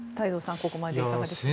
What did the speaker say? ここまでいかがでしょうか。